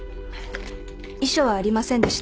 遺書はありませんでした。